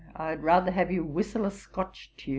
I'd rather have you whistle a Scotch tune.'